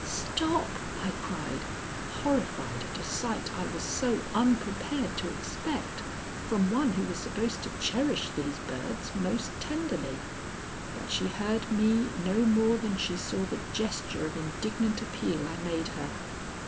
"Stop!" I cried, horrified at a sight I was so unprepared to expect from one who was supposed to cherish these birds most tenderly. But she heard me no more than she saw the gesture of indignant appeal I made her.